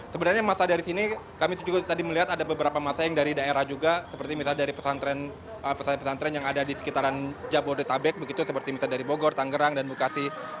sebenarnya masa dari sini kami juga tadi melihat ada beberapa masa yang dari daerah juga seperti misalnya dari pesantren pesantren yang ada di sekitaran jabodetabek begitu seperti misalnya dari bogor tanggerang dan bekasi